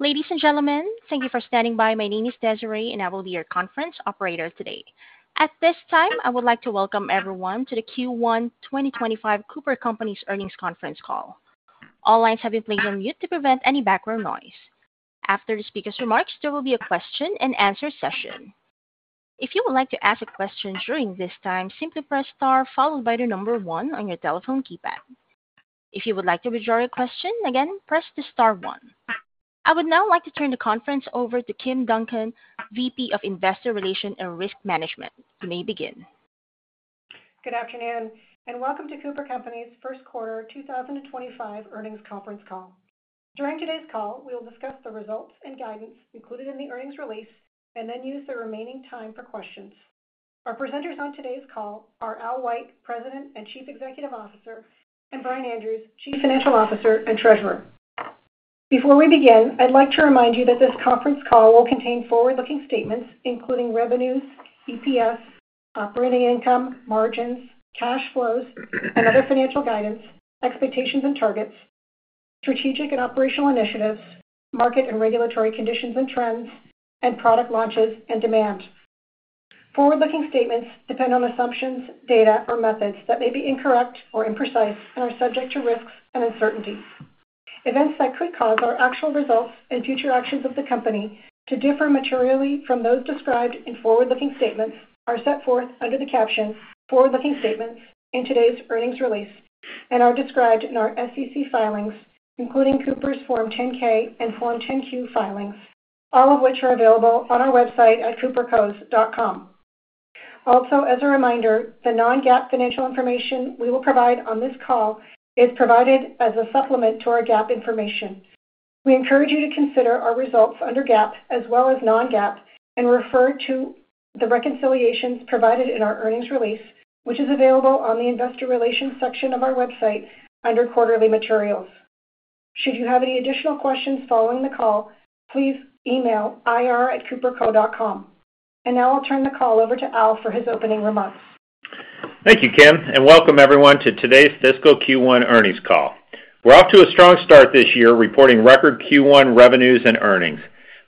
Ladies and gentlemen, thank you for standing by. My name is Desiree, and I will be your conference operator today. At this time, I would like to welcome everyone to the Q1 2025 CooperCompanies Earnings Conference Call. All lines have been placed on mute to prevent any background noise. After the speaker's remarks, there will be a question-and-answer session. If you would like to ask a question during this time, simply press star followed by the number one on your telephone keypad. If you would like to withdraw your question again, press the star one. I would now like to turn the conference over to Kim Duncan, VP of Investor Relations and Risk Management. You may begin. Good afternoon, and welcome to CooperCompanies' First Quarter 2025 Earnings Conference Call. During today's call, we will discuss the results and guidance included in the earnings release and then use the remaining time for questions. Our presenters on today's call are Al White, President and Chief Executive Officer, and Brian Andrews, Chief Financial Officer and Treasurer. Before we begin, I'd like to remind you that this conference call will contain forward-looking statements including revenues, EPS, operating income, margins, cash flows, and other financial guidance, expectations and targets, strategic and operational initiatives, market and regulatory conditions and trends, and product launches and demand. Forward-looking statements depend on assumptions, data, or methods that may be incorrect or imprecise and are subject to risks and uncertainties. Events that could cause our actual results and future actions of the company to differ materially from those described in forward-looking statements are set forth under the caption "Forward-looking Statements" in today's earnings release and are described in our SEC filings, including Cooper's Form 10-K and Form 10-Q filings, all of which are available on our website at coopercos.com. Also, as a reminder, the non-GAAP financial information we will provide on this call is provided as a supplement to our GAAP information. We encourage you to consider our results under GAAP as well as non-GAAP and refer to the reconciliations provided in our earnings release, which is available on the investor relations section of our website under quarterly materials. Should you have any additional questions following the call, please email ir@coopercos.com. And now I'll turn the call over to Al for his opening remarks. Thank you, Kim, and welcome everyone to Today's Fiscal Q1 Earnings Call. We're off to a strong start this year reporting record Q1 revenues and earnings.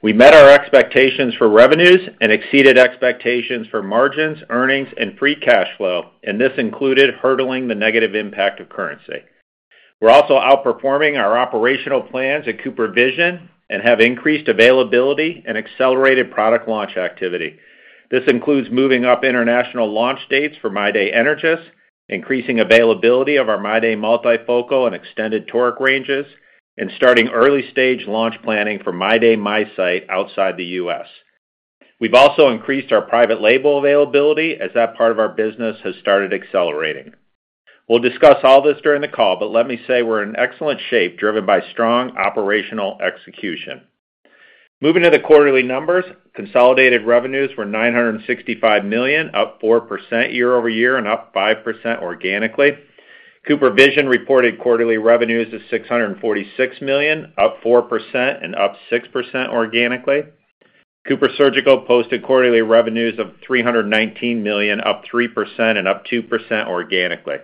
We met our expectations for revenues and exceeded expectations for margins, earnings, and free cash flow, and this included hurdling the negative impact of currency. We're also outperforming our operational plans at CooperVision and have increased availability and accelerated product launch activity. This includes moving up international launch dates for MyDay Energys, increasing availability of our MyDay Multifocal and extended Toric ranges, and starting early-stage launch planning for MyDay MiSite outside the U.S. We've also increased our private label availability as that part of our business has started accelerating. We'll discuss all this during the call, but let me say we're in excellent shape driven by strong operational execution. Moving to the quarterly numbers, consolidated revenues were $965 million, up 4% year over year and up 5% organically. CooperVision reported quarterly revenues of $646 million, up 4% and up 6% organically. CooperSurgical posted quarterly revenues of $319 million, up 3% and up 2% organically.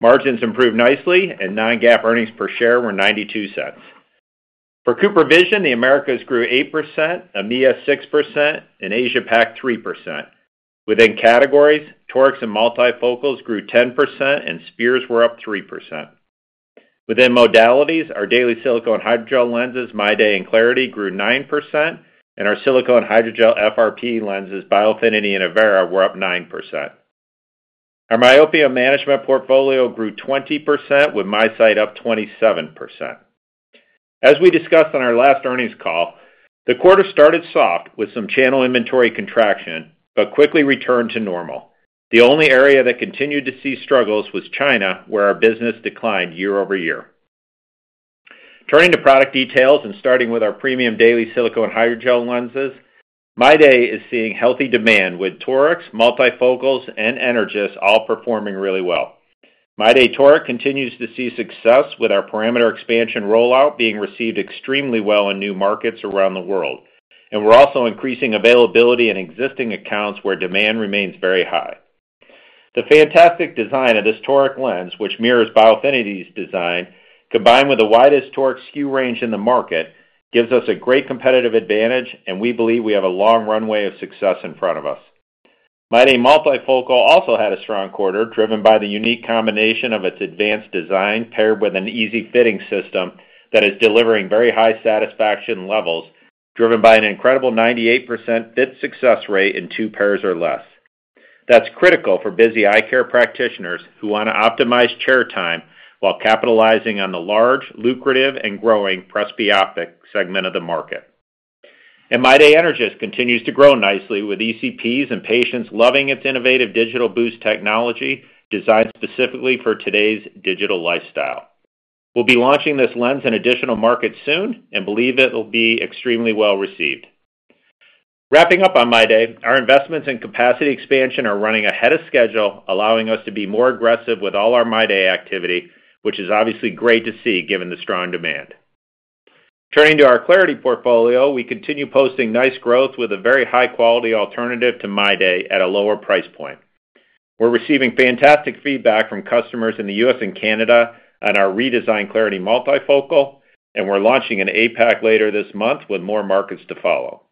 Margins improved nicely, and non-GAAP earnings per share were $0.92. For CooperVision, the Americas grew 8%, EMEA 6%, and Asia-Pac 3%. Within categories, Torics and Multifocals grew 10%, and spheres were up 3%. Within modalities, our daily silicone hydrogel lenses, MyDay and Clariti, grew 9%, and our silicone hydrogel FRP lenses, Biofinity and Avaira, were up 9%. Our myopia management portfolio grew 20%, with MiSite up 27%. As we discussed on our last earnings call, the quarter started soft with some channel inventory contraction but quickly returned to normal. The only area that continued to see struggles was China, where our business declined year over year. Turning to product details and starting with our premium daily silicone hydrogel lenses, MyDay is seeing healthy demand with Torics, Multifocals, and Energys all performing really well. MyDay Toric continues to see success with our parameter expansion rollout being received extremely well in new markets around the world, and we're also increasing availability in existing accounts where demand remains very high. The fantastic design of this toric lens, which mirrors Biofinity's design, combined with the widest toric axis range in the market, gives us a great competitive advantage, and we believe we have a long runway of success in front of us. MyDay Multifocal also had a strong quarter driven by the unique combination of its advanced design paired with an easy-fitting system that is delivering very high satisfaction levels driven by an incredible 98% fit success rate in two pairs or less. That's critical for busy eye care practitioners who want to optimize chair time while capitalizing on the large, lucrative, and growing presbyopic segment of the market, and MyDay Energys continues to grow nicely with ECPs and patients loving its innovative DigitalBoost Technology designed specifically for today's digital lifestyle. We'll be launching this lens in additional markets soon and believe it will be extremely well received. Wrapping up on MyDay, our investments and capacity expansion are running ahead of schedule, allowing us to be more aggressive with all our MyDay activity, which is obviously great to see given the strong demand. Turning to our Clariti portfolio, we continue posting nice growth with a very high-quality alternative to MyDay at a lower price point. We're receiving fantastic feedback from customers in the U.S. and Canada on our redesigned Clariti Multifocal, and we're launching an APAC later this month with more markets to follow.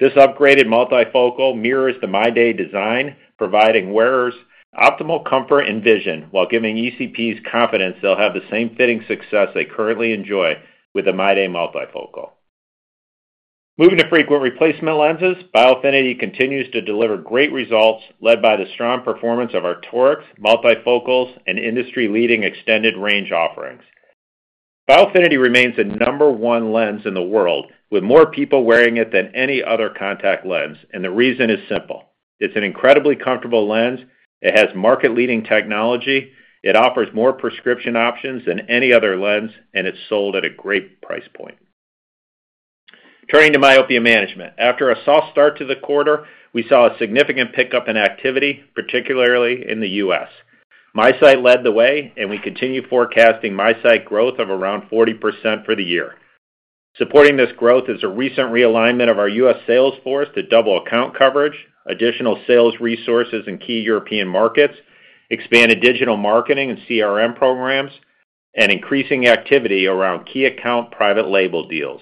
This upgraded Multifocal mirrors the MyDay design, providing wearers optimal comfort and vision while giving ECPs confidence they'll have the same fitting success they currently enjoy with the MyDay Multifocal. Moving to frequent replacement lenses, Biofinity continues to deliver great results led by the strong performance of our Torics, Multifocals, and industry-leading extended range offerings. Biofinity remains the number one lens in the world, with more people wearing it than any other contact lens, and the reason is simple. It's an incredibly comfortable lens. It has market-leading technology. It offers more prescription options than any other lens, and it's sold at a great price point. Turning to myopia management, after a soft start to the quarter, we saw a significant pickup in activity, particularly in the U.S. MiSite led the way, and we continue forecasting MiSite growth of around 40% for the year. Supporting this growth is a recent realignment of our U.S. sales force to double account coverage, additional sales resources in key European markets, expanded digital marketing and CRM programs, and increasing activity around key account private label deals.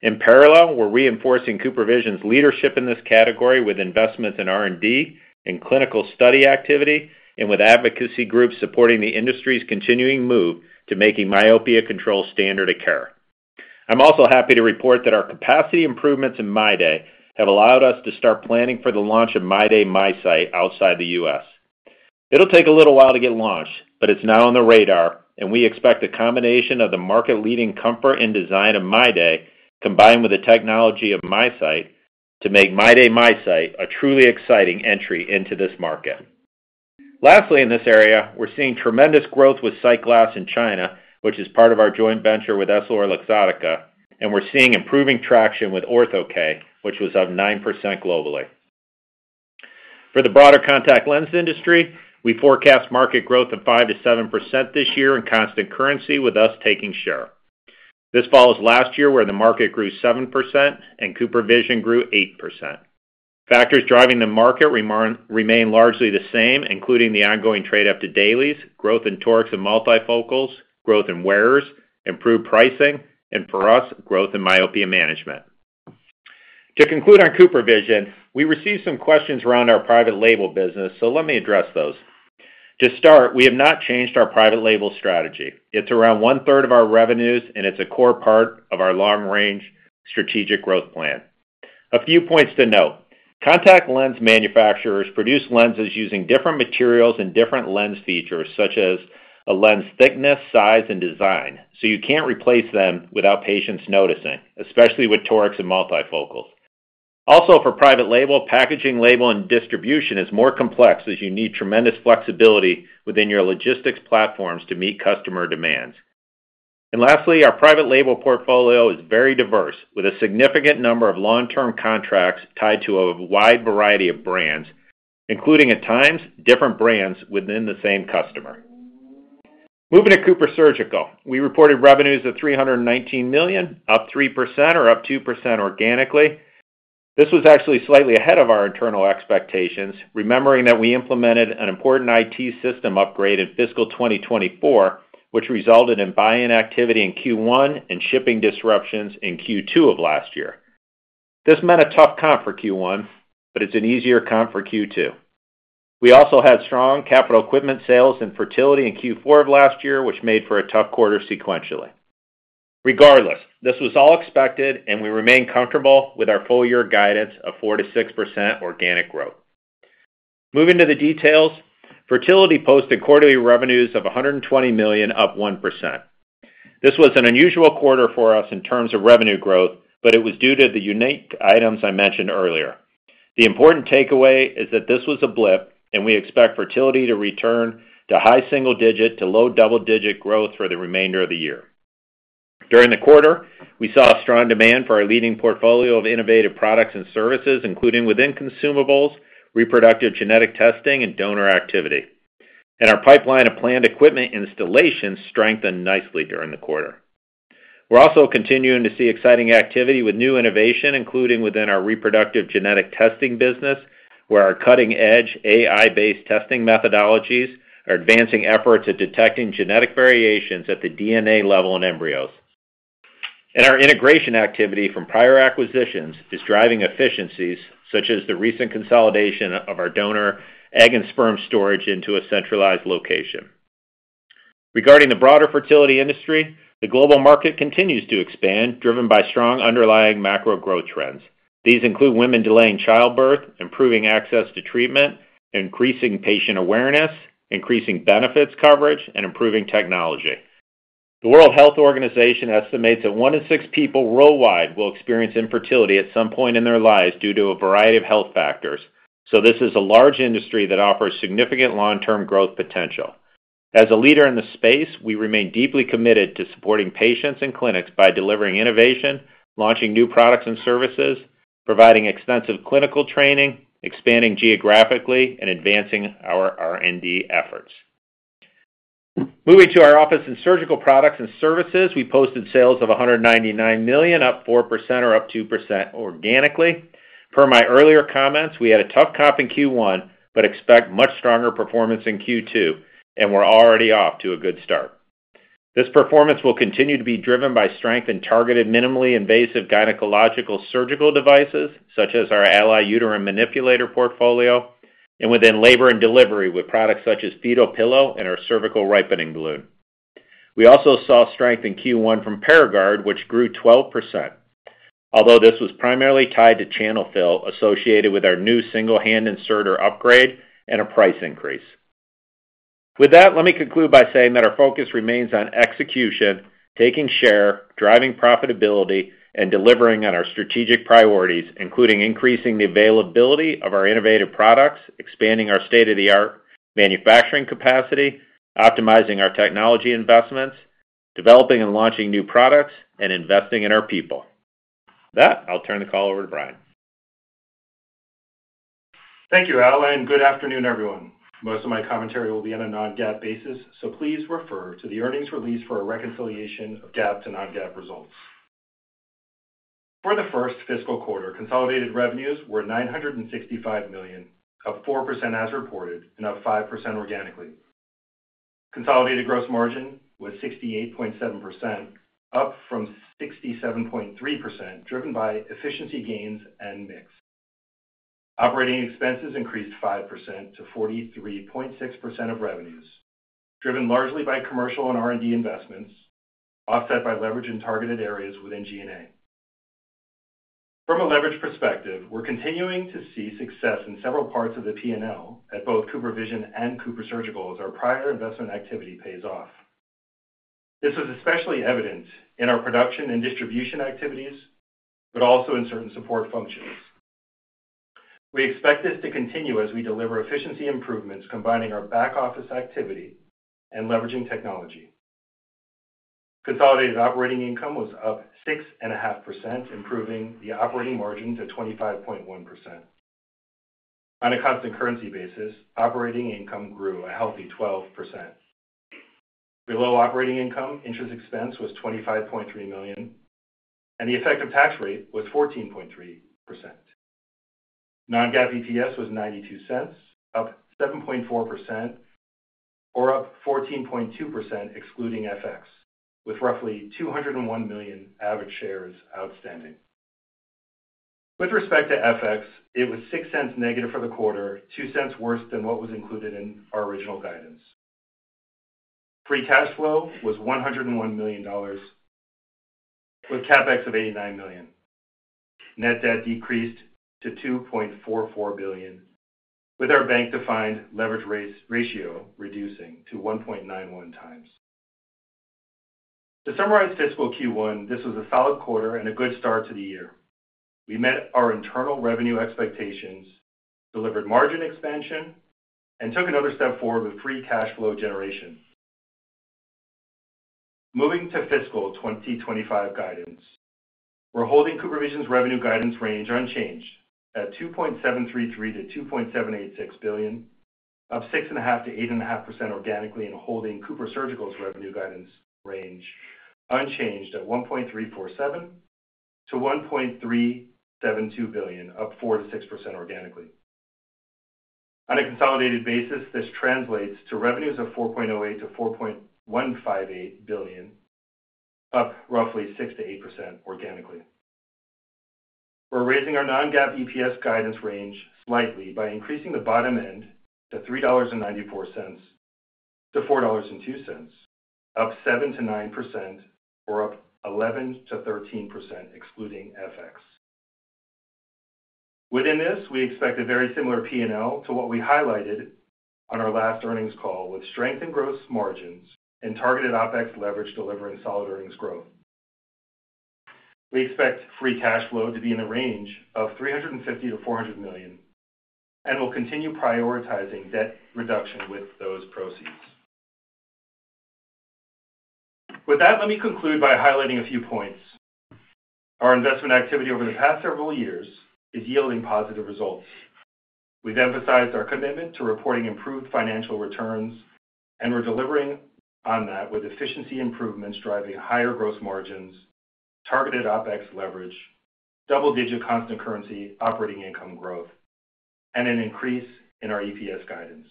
In parallel, we're reinforcing CooperVision's leadership in this category with investments in R&D and clinical study activity and with advocacy groups supporting the industry's continuing move to making myopia control standard of care. I'm also happy to report that our capacity improvements in MyDay have allowed us to start planning for the launch of MyDay MiSite outside the U.S.. It'll take a little while to get launched, but it's now on the radar, and we expect a combination of the market-leading comfort and design of MyDay combined with the technology of MiSite to make MyDay MiSite a truly exciting entry into this market. Lastly, in this area, we're seeing tremendous growth with SightGlass in China, which is part of our joint venture with EssilorLuxottica, and we're seeing improving traction with Ortho-K, which was up 9% globally. For the broader contact lens industry, we forecast market growth of 5%-7% this year in constant currency with us taking share. This follows last year where the market grew 7% and CooperVision grew 8%. Factors driving the market remain largely the same, including the ongoing trade-up to dailies, growth in torics and multifocals, growth in wearers, improved pricing, and for us, growth in myopia management. To conclude on CooperVision, we received some questions around our private label business, so let me address those. To start, we have not changed our private label strategy. It's around one-third of our revenues, and it's a core part of our long-range strategic growth plan. A few points to note: contact lens manufacturers produce lenses using different materials and different lens features, such as a lens thickness, size, and design, so you can't replace them without patients noticing, especially with torics and multifocals. Also, for private label, packaging label and distribution is more complex as you need tremendous flexibility within your logistics platforms to meet customer demands. Lastly, our private label portfolio is very diverse with a significant number of long-term contracts tied to a wide variety of brands, including at times different brands within the same customer. Moving to CooperSurgical, we reported revenues of $319 million, up 3% or up 2% organically. This was actually slightly ahead of our internal expectations, remembering that we implemented an important IT system upgrade in fiscal 2024, which resulted in buy-in activity in Q1 and shipping disruptions in Q2 of last year. This meant a tough comp for Q1, but it's an easier comp for Q2. We also had strong capital equipment sales and fertility in Q4 of last year, which made for a tough quarter sequentially. Regardless, this was all expected, and we remain comfortable with our full-year guidance of 4%-6% organic growth. Moving to the details, Fertility posted quarterly revenues of $120 million, up 1%. This was an unusual quarter for us in terms of revenue growth, but it was due to the unique items I mentioned earlier. The important takeaway is that this was a blip, and we expect Fertility to return to high single-digit to low double-digit growth for the remainder of the year. During the quarter, we saw a strong demand for our leading portfolio of innovative products and services, including within consumables, reproductive genetic testing, and donor activity, and our pipeline of planned equipment installations strengthened nicely during the quarter. We're also continuing to see exciting activity with new innovation, including within our reproductive genetic testing business, where our cutting-edge AI-based testing methodologies are advancing efforts at detecting genetic variations at the DNA level in embryos. And our integration activity from prior acquisitions is driving efficiencies, such as the recent consolidation of our donor egg and sperm storage into a centralized location. Regarding the broader fertility industry, the global market continues to expand, driven by strong underlying macro growth trends. These include women delaying childbirth, improving access to treatment, increasing patient awareness, increasing benefits coverage, and improving technology. The World Health Organization estimates that one in six people worldwide will experience infertility at some point in their lives due to a variety of health factors, so this is a large industry that offers significant long-term growth potential. As a leader in the space, we remain deeply committed to supporting patients and clinics by delivering innovation, launching new products and services, providing extensive clinical training, expanding geographically, and advancing our R&D efforts. Moving to our office and surgical products and services, we posted sales of $199 million, up 4% or up 2% organically. Per my earlier comments, we had a tough comp in Q1 but expect much stronger performance in Q2, and we're already off to a good start. This performance will continue to be driven by strength in targeted minimally invasive gynecological surgical devices, such as our Ally Uterine Manipulator portfolio, and within labor and delivery with products such as Fetal Pillow and our Cervical Ripening Balloon. We also saw strength in Q1 from Paragard, which grew 12%, although this was primarily tied to channel fill associated with our new single-hand inserter upgrade and a price increase. With that, let me conclude by saying that our focus remains on execution, taking share, driving profitability, and delivering on our strategic priorities, including increasing the availability of our innovative products, expanding our state-of-the-art manufacturing capacity, optimizing our technology investments, developing and launching new products, and investing in our people. With that, I'll turn the call over to Brian. Thank you, Al, and good afternoon, everyone. Most of my commentary will be on a Non-GAAP basis, so please refer to the earnings release for a reconciliation of GAAP to Non-GAAP results. For the first fiscal quarter, consolidated revenues were $965 million, up 4% as reported and up 5% organically. Consolidated gross margin was 68.7%, up from 67.3%, driven by efficiency gains and mix. Operating expenses increased 5% to 43.6% of revenues, driven largely by commercial and R&D investments, offset by leverage in targeted areas within G&A. From a leverage perspective, we're continuing to see success in several parts of the P&L at both CooperVision and CooperSurgical as our prior investment activity pays off. This was especially evident in our production and distribution activities, but also in certain support functions. We expect this to continue as we deliver efficiency improvements combining our back-office activity and leveraging technology. Consolidated operating income was up 6.5%, improving the operating margin to 25.1%. On a constant currency basis, operating income grew a healthy 12%. Below operating income, interest expense was $25.3 million, and the effective tax rate was 14.3%. Non-GAAP EPS was $0.92, up 7.4%, or up 14.2% excluding FX, with roughly 201 million average shares outstanding. With respect to FX, it was $0.06 negative for the quarter, $0.02 worse than what was included in our original guidance. Free cash flow was $101 million, with CapEx of $89 million. Net debt decreased to $2.44 billion, with our bank-defined leverage ratio reducing to 1.9x. To summarize fiscal Q1, this was a solid quarter and a good start to the year. We met our internal revenue expectations, delivered margin expansion, and took another step forward with free cash flow generation. Moving to fiscal 2025 guidance, we're holding CooperVision's revenue guidance range unchanged at $2.733-$2.786 billion, up 6.5%-8.5% organically, and holding CooperSurgical's revenue guidance range unchanged at $1.347-$1.372 billion, up 4%-6% organically. On a consolidated basis, this translates to revenues of $4.08-$4.158 billion, up roughly 6%-8% organically. We're raising our non-GAAP EPS guidance range slightly by increasing the bottom end to $3.94-$4.02, up 7%-9%, or up 11%-13% excluding FX. Within this, we expect a very similar P&L to what we highlighted on our last earnings call, with strength in gross margins and targeted OpEx leverage delivering solid earnings growth. We expect free cash flow to be in the range of $350 million-$400 million, and we'll continue prioritizing debt reduction with those proceeds. With that, let me conclude by highlighting a few points. Our investment activity over the past several years is yielding positive results. We've emphasized our commitment to reporting improved financial returns, and we're delivering on that with efficiency improvements driving higher gross margins, targeted OpEx leverage, double-digit constant currency operating income growth, and an increase in our EPS guidance.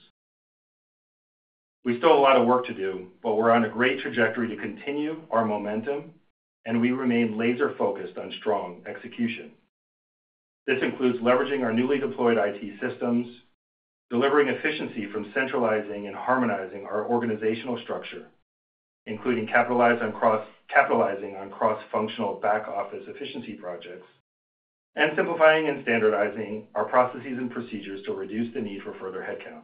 We still have a lot of work to do, but we're on a great trajectory to continue our momentum, and we remain laser-focused on strong execution. This includes leveraging our newly deployed IT systems, delivering efficiency from centralizing and harmonizing our organizational structure, including capitalizing on cross-functional back-office efficiency projects, and simplifying and standardizing our processes and procedures to reduce the need for further headcount.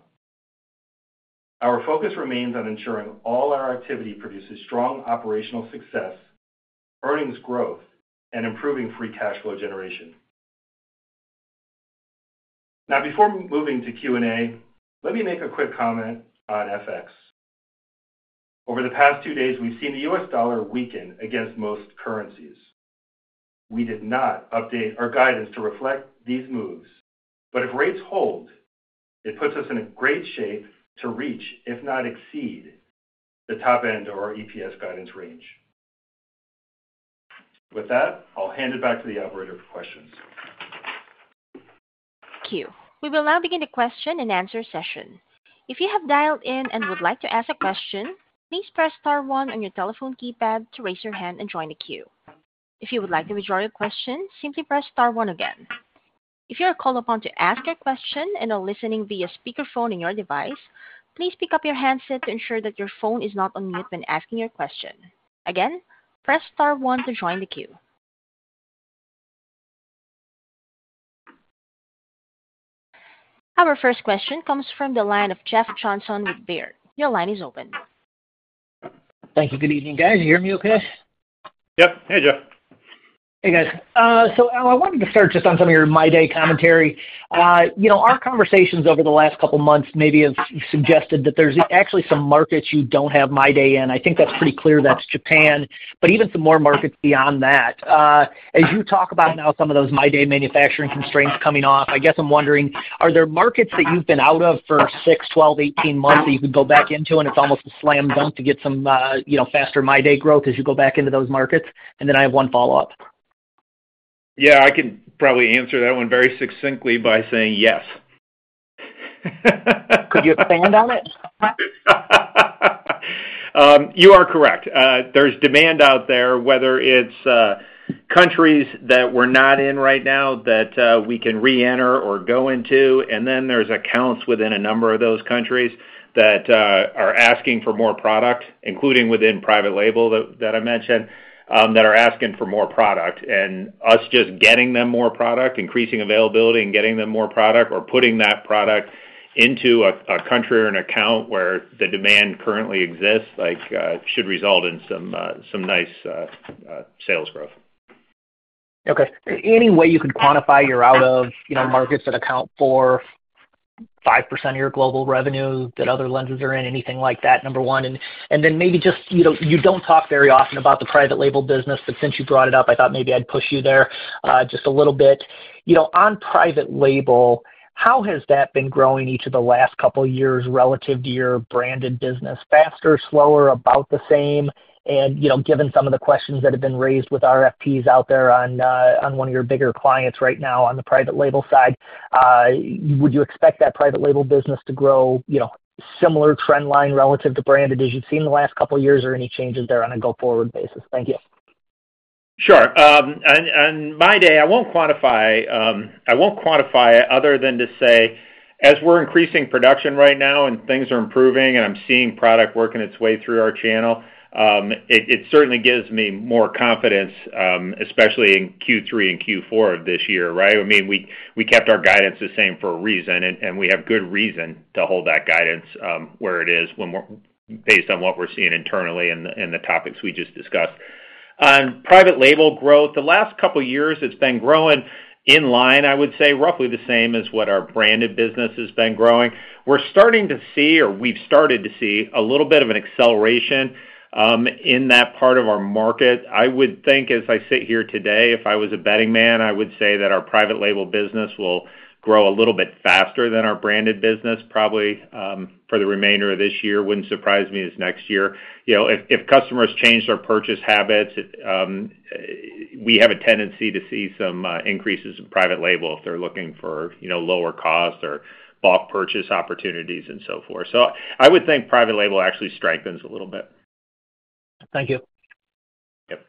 Our focus remains on ensuring all our activity produces strong operational success, earnings growth, and improving free cash flow generation. Now, before moving to Q&A, let me make a quick comment on FX. Over the past two days, we've seen the U.S. dollar weaken against most currencies. We did not update our guidance to reflect these moves, but if rates hold, it puts us in a great shape to reach, if not exceed, the top end of our EPS guidance range. With that, I'll hand it back to the operator for questions. Thank you. We will now begin the question and answer session. If you have dialed in and would like to ask a question, please press star one on your telephone keypad to raise your hand and join the queue. If you would like to withdraw your question, simply press star one again. If you are called upon to ask your question and are listening via speakerphone in your device, please pick up your handset to ensure that your phone is not on mute when asking your question. Again, press star one to join the queue. Our first question comes from the line of Jeff Johnson with Baird. Your line is open. Thank you. Good evening, guys. You hear me okay? Yep. Hey, Jeff. Hey, guys. So, Al, I wanted to start just on some of your MyDay commentary. Our conversations over the last couple of months maybe have suggested that there's actually some markets you don't have MyDay in. I think that's pretty clear. That's Japan, but even some more markets beyond that. As you talk about now some of those MyDay manufacturing constraints coming off, I guess I'm wondering, are there markets that you've been out of for six, 12, 18 months that you could go back into, and it's almost a slam dunk to get some faster MyDay growth as you go back into those markets? And then I have one follow-up. Yeah, I can probably answer that one very succinctly by saying yes. Could you expand on it? You are correct. There's demand out there, whether it's countries that we're not in right now that we can re-enter or go into, and then there's accounts within a number of those countries that are asking for more product, including within private label that I mentioned, that are asking for more product. Us just getting them more product, increasing availability and getting them more product, or putting that product into a country or an account where the demand currently exists should result in some nice sales growth. Okay. Any way you could quantify you're out of markets that account for 5% of your global revenue that other lenses are in, anything like that, number one? Then maybe just you don't talk very often about the private label business, but since you brought it up, I thought maybe I'd push you there just a little bit. On private label, how has that been growing each of the last couple of years relative to your branded business? Faster, slower, about the same? And given some of the questions that have been raised with RFPs out there on one of your bigger clients right now on the private label side, would you expect that private label business to grow similar trend line relative to branded as you've seen the last couple of years, or any changes there on a go-forward basis? Thank you. Sure. On MyDay, I won't quantify it other than to say, as we're increasing production right now and things are improving and I'm seeing product working its way through our channel, it certainly gives me more confidence, especially in Q3 and Q4 of this year, right? I mean, we kept our guidance the same for a reason, and we have good reason to hold that guidance where it is based on what we're seeing internally and the topics we just discussed. On private label growth, the last couple of years it's been growing in line, I would say, roughly the same as what our branded business has been growing. We're starting to see, or we've started to see, a little bit of an acceleration in that part of our market. I would think, as I sit here today, if I was a betting man, I would say that our private label business will grow a little bit faster than our branded business, probably for the remainder of this year. Wouldn't surprise me as next year. If customers change their purchase habits, we have a tendency to see some increases in private label if they're looking for lower cost or bulk purchase opportunities and so forth. So I would think private label actually strengthens a little bit. Thank you. Yep.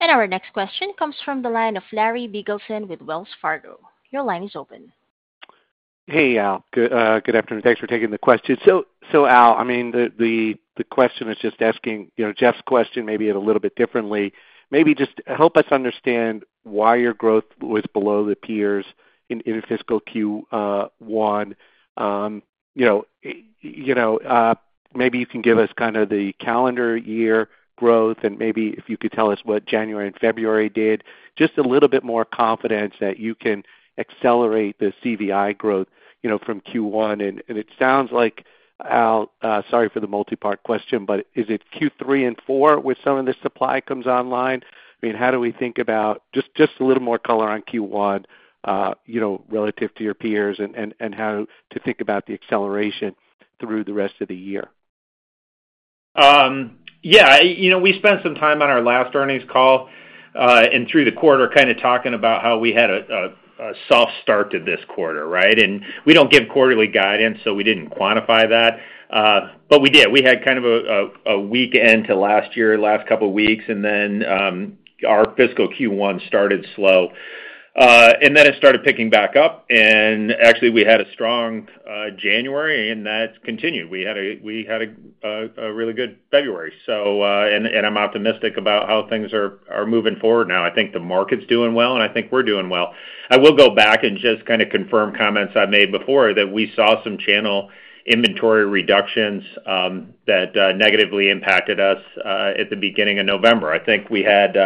And our next question comes from the line of Larry Biegelsen with Wells Fargo. Your line is open. Hey, Al. Good afternoon. Thanks for taking the question. So, Al, I mean, the question is just asking Jeff's question maybe a little bit differently. Maybe just help us understand why your growth was below the peers in fiscal Q1. Maybe you can give us kind of the calendar year growth, and maybe if you could tell us what January and February did, just a little bit more confidence that you can accelerate the CVI growth from Q1. And it sounds like, Al, sorry for the multi-part question, but is it Q3 and Q4 with some of the supply comes online? I mean, how do we think about just a little more color on Q1 relative to your peers and how to think about the acceleration through the rest of the year? Yeah. We spent some time on our last earnings call and through the quarter kind of talking about how we had a soft start to this quarter, right? And we don't give quarterly guidance, so we didn't quantify that. But we did. We had kind of a weak end to last year, last couple of weeks, and then our fiscal Q1 started slow. And then it started picking back up, and actually we had a strong January, and that continued. We had a really good February. And I'm optimistic about how things are moving forward now. I think the market's doing well, and I think we're doing well. I will go back and just kind of confirm comments I've made before that we saw some channel inventory reductions that negatively impacted us at the beginning of November. I think we had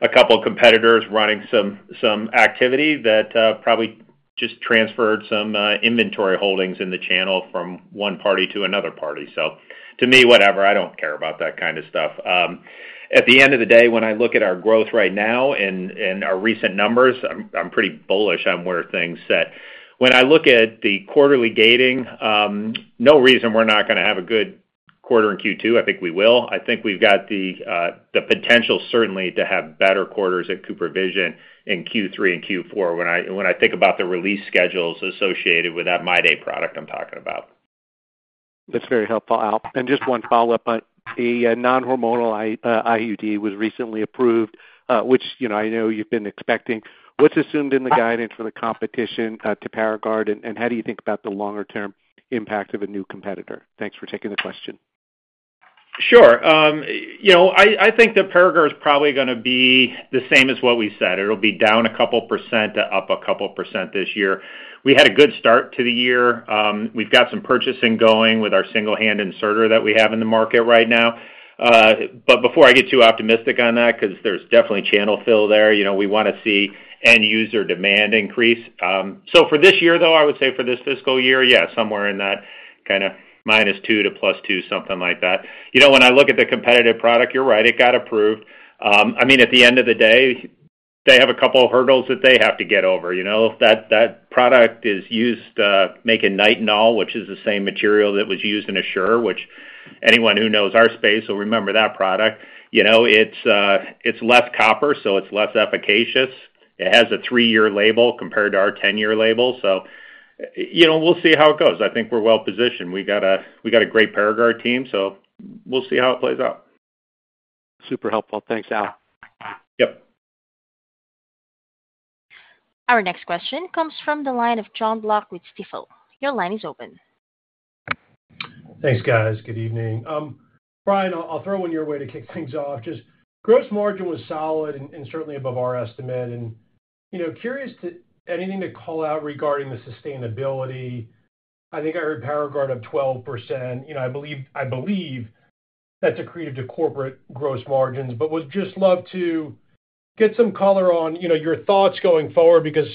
a couple of competitors running some activity that probably just transferred some inventory holdings in the channel from one party to another party. So to me, whatever. I don't care about that kind of stuff. At the end of the day, when I look at our growth right now and our recent numbers, I'm pretty bullish on where things sit. When I look at the quarterly guidance, no reason we're not going to have a good quarter in Q2. I think we will. I think we've got the potential certainly to have better quarters at CooperVision in Q3 and Q4 when I think about the release schedules associated with that MyDay product I'm talking about. That's very helpful, Al. And just one follow-up. The non-hormonal IUD was recently approved, which I know you've been expecting. What's assumed in the guidance for the competition to Paragard, and how do you think about the longer-term impact of a new competitor? Thanks for taking the question. Sure. I think that Paragard is probably going to be the same as what we said. It'll be down a couple % to up a couple % this year. We had a good start to the year. We've got some purchasing going with our single-hand inserter that we have in the market right now. But before I get too optimistic on that, because there's definitely channel fill there, we want to see end-user demand increase. So for this year, though, I would say for this fiscal year, yeah, somewhere in that kind of -2% to +2%, something like that. When I look at the competitive product, you're right. It got approved. I mean, at the end of the day, they have a couple of hurdles that they have to get over. That product is used to make a Nitinol, which is the same material that was used in Assure, which anyone who knows our space will remember that product. It's less copper, so it's less efficacious. It has a three-year label compared to our 10-year label. So we'll see how it goes. I think we're well-positioned. We got a great Paragard team, so we'll see how it plays out. Super helpful. Thanks, Al. Yep. Our next question comes from the line of Jon Block with Stifel. Your line is open. Thanks, guys. Good evening. Brian, I'll throw in your way to kick things off. Just gross margin was solid and certainly above our estimate. And curious to anything to call out regarding the sustainability. I think I heard Paragard up 12%. I believe that's a credit to Cooper's gross margins, but would just love to get some color on your thoughts going forward because,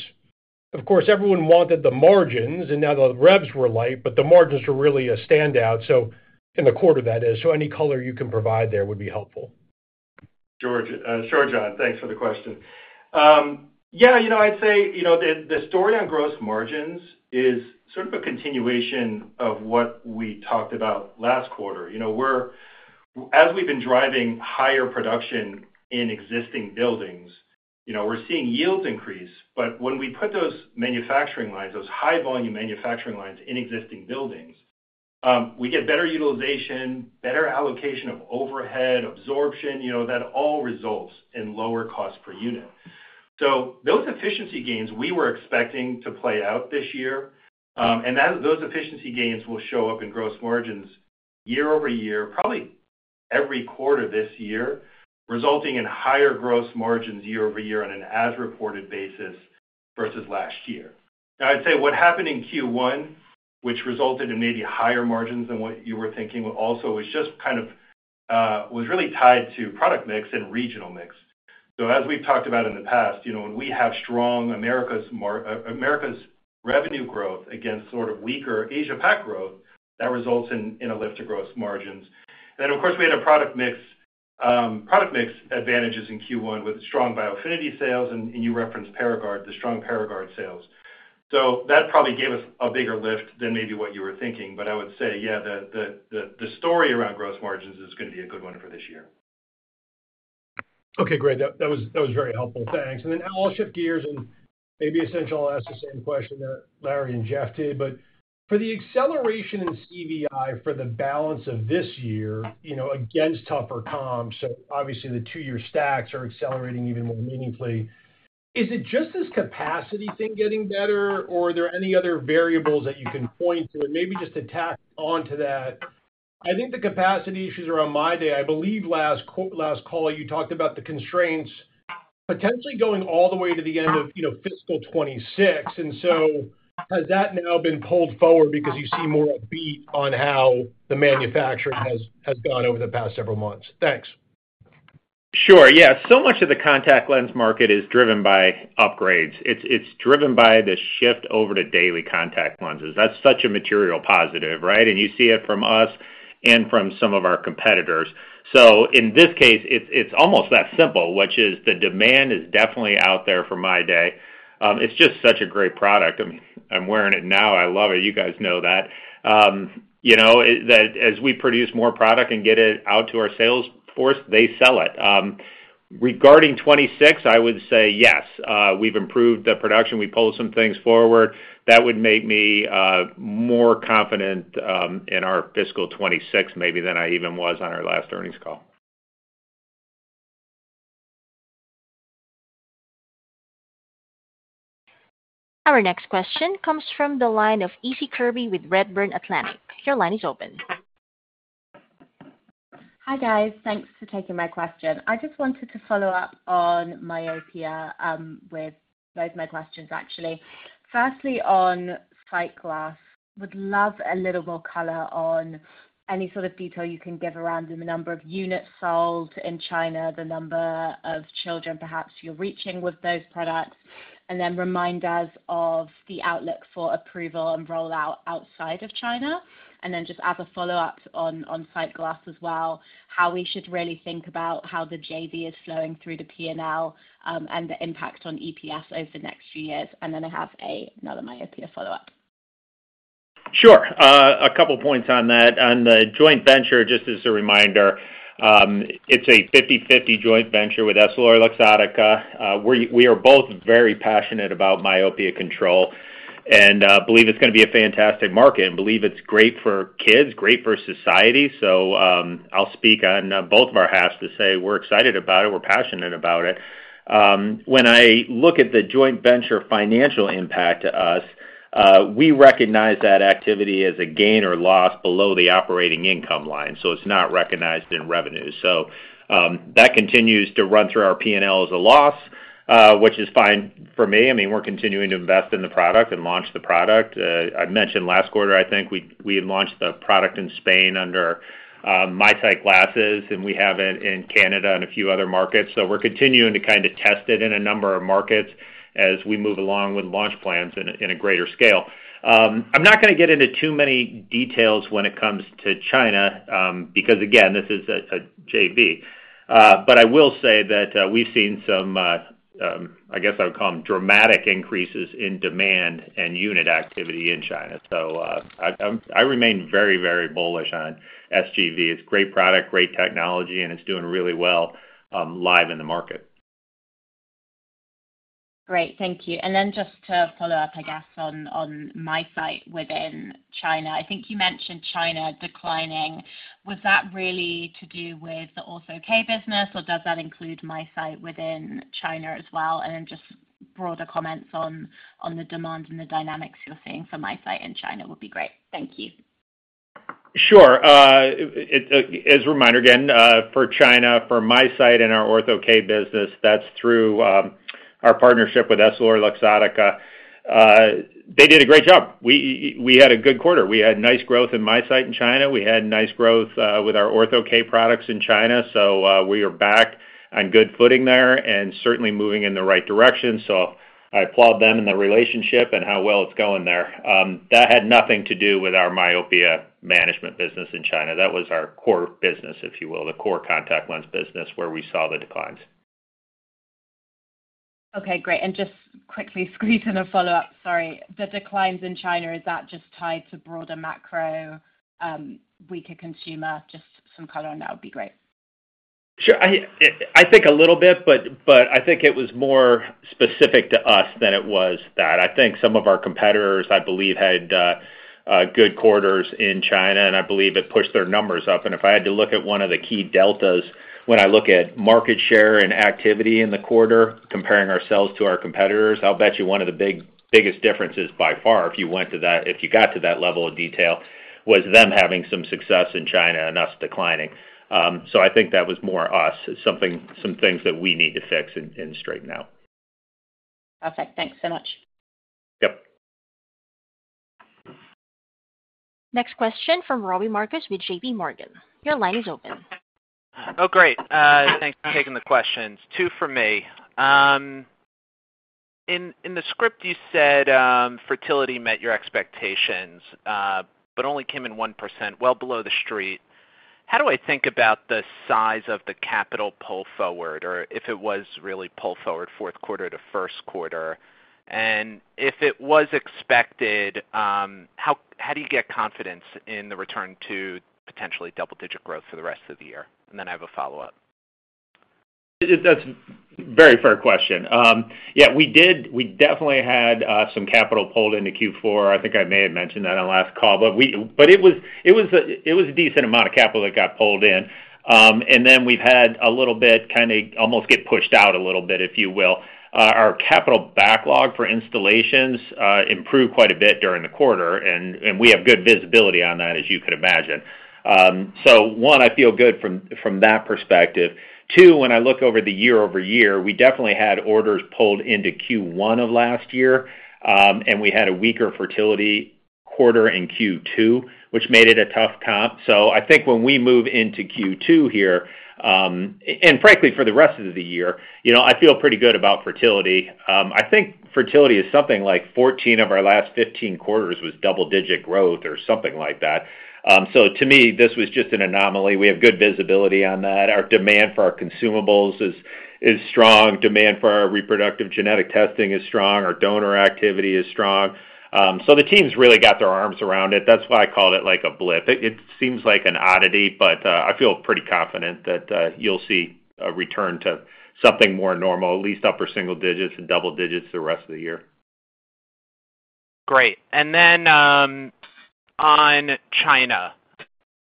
of course, everyone wanted the margins, and now the revs were light, but the margins were really a standout. So in the quarter, that is. So any color you can provide there would be helpful. Sure, John. Thanks for the question. Yeah. I'd say the story on gross margins is sort of a continuation of what we talked about last quarter. As we've been driving higher production in existing buildings, we're seeing yields increase. But when we put those manufacturing lines, those high-volume manufacturing lines in existing buildings, we get better utilization, better allocation of overhead, absorption. That all results in lower cost per unit. So those efficiency gains we were expecting to play out this year, and those efficiency gains will show up in gross margins year over year, probably every quarter this year, resulting in higher gross margins year over year on an as-reported basis versus last year. Now, I'd say what happened in Q1, which resulted in maybe higher margins than what you were thinking, also was just kind of really tied to product mix and regional mix. So as we've talked about in the past, when we have strong Americas revenue growth against sort of weaker Asia-Pac growth, that results in a lift to gross margins. And then, of course, we had a product mix advantages in Q1 with strong Biofinity sales, and you referenced Paragard, the strong Paragard sales. So that probably gave us a bigger lift than maybe what you were thinking. But I would say, yeah, the story around gross margins is going to be a good one for this year. Okay. Great. That was very helpful. Thanks. And then, Al, I'll shift gears and maybe essentially I'll ask the same question that Larry and Jeff did. But for the acceleration in CVI for the balance of this year against tougher comps, so obviously the two-year stacks are accelerating even more meaningfully, is it just this capacity thing getting better, or are there any other variables that you can point to and maybe just attack onto that? I think the capacity issues around MyDay, I believe last call you talked about the constraints potentially going all the way to the end of fiscal 2026. And so has that now been pulled forward because you see more of a beat on how the manufacturing has gone over the past several months? Thanks. Sure. Yeah. So much of the contact lens market is driven by upgrades. It's driven by the shift over to daily contact lenses. That's such a material positive, right? And you see it from us and from some of our competitors. So in this case, it's almost that simple, which is the demand is definitely out there for MyDay. It's just such a great product. I'm wearing it now. I love it. You guys know that. As we produce more product and get it out to our sales force, they sell it. Regarding 2026, I would say yes. We've improved the production. We pulled some things forward. That would make me more confident in our fiscal 2026 maybe than I even was on our last earnings call. Our next question comes from the line of Issie Kirby with Redburn Atlantic. Your line is open. Hi, guys. Thanks for taking my question. I just wanted to follow up on my prior with both my questions, actually. Firstly, on SightGlass, would love a little more color on any sort of detail you can give around the number of units sold in China, the number of children perhaps you're reaching with those products, and then remind us of the outlook for approval and rollout outside of China. And then just as a follow-up on SightGlass as well, how we should really think about how the JV is flowing through the P&L and the impact on EPS over the next few years. And then I have another myopia follow-up. Sure. A couple of points on that. On the joint venture, just as a reminder, it's a 50/50 joint venture with EssilorLuxottica. We are both very passionate about myopia control and believe it's going to be a fantastic market and believe it's great for kids, great for society. So I'll speak on both of our halves to say we're excited about it. We're passionate about it. When I look at the joint venture financial impact to us, we recognize that activity as a gain or loss below the operating income line. So it's not recognized in revenue. So that continues to run through our P&L as a loss, which is fine for me. I mean, we're continuing to invest in the product and launch the product. I mentioned last quarter, I think we launched the product in Spain under SightGlass, and we have it in Canada and a few other markets. We're continuing to kind of test it in a number of markets as we move along with launch plans in a greater scale. I'm not going to get into too many details when it comes to China because, again, this is a JV. But I will say that we've seen some, I guess I would call them, dramatic increases in demand and unit activity in China. So I remain very, very bullish on SGV. It's a great product, great technology, and it's doing really well live in the market. Great. Thank you. And then just to follow up, I guess, on MiSight within China. I think you mentioned China declining. Was that really to do with the Ortho-K business, or does that include MiSight within China as well? And then just broader comments on the demand and the dynamics you're seeing for MiSight in China would be great. Thank you. Sure. As a reminder again, for China, for MiSight and our Ortho-K business, that's through our partnership with EssilorLuxottica. They did a great job. We had a good quarter. We had nice growth in MiSight in China. We had nice growth with our Ortho-K products in China. So we are back on good footing there and certainly moving in the right direction, so I applaud them and the relationship and how well it's going there. That had nothing to do with our myopia management business in China. That was our core business, if you will, the core contact lens business where we saw the declines. Okay. Great, and just quickly squeeze in a follow-up. Sorry. The declines in China, is that just tied to broader macro weaker consumer? Just some color on that would be great. Sure. I think a little bit, but I think it was more specific to us than it was that. I think some of our competitors, I believe, had good quarters in China, and I believe it pushed their numbers up. And if I had to look at one of the key deltas when I look at market share and activity in the quarter, comparing ourselves to our competitors, I'll bet you one of the biggest differences by far, if you went to that, if you got to that level of detail, was them having some success in China and us declining. So I think that was more us, some things that we need to fix and straighten out. Perfect. Thanks so much. Yep. Next question from Robbie Marcus with JPMorgan. Your line is open. Oh, great. Thanks for taking the questions. Two for me. In the script, you said fertility met your expectations, but only came in 1%, well below the street. How do I think about the size of the capital pull forward, or if it was really pull forward fourth quarter to first quarter? And if it was expected, how do you get confidence in the return to potentially double-digit growth for the rest of the year? And then I have a follow-up. That's a very fair question. Yeah. We definitely had some capital pulled into Q4. I think I may have mentioned that on last call. But it was a decent amount of capital that got pulled in. And then we've had a little bit kind of almost get pushed out a little bit, if you will. Our capital backlog for installations improved quite a bit during the quarter, and we have good visibility on that, as you could imagine. So one, I feel good from that perspective. Two, when I look over the year over year, we definitely had orders pulled into Q1 of last year, and we had a weaker fertility quarter in Q2, which made it a tough comp. So I think when we move into Q2 here, and frankly, for the rest of the year, I feel pretty good about fertility. I think fertility is something like 14 of our last 15 quarters was double-digit growth or something like that. So to me, this was just an anomaly. We have good visibility on that. Our demand for our consumables is strong. Demand for our reproductive genetic testing is strong. Our donor activity is strong. So the teams really got their arms around it. That's why I called it like a blip, but it seems like an oddity. But I feel pretty confident that you'll see a return to something more normal, at least upper single digits and double digits the rest of the year. Great. And then on China,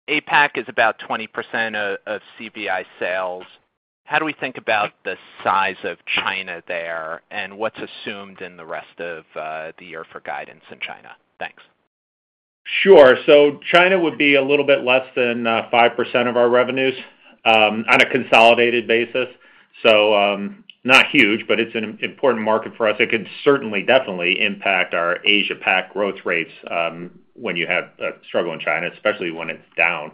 APAC is about 20% of CVI sales. How do we think about the size of China there and what's assumed in the rest of the year for guidance in China? Thanks. Sure. So China would be a little bit less than 5% of our revenues on a consolidated basis. So not huge, but it's an important market for us. It could certainly definitely impact our Asia-Pac growth rates when you have a struggle in China, especially when it's down.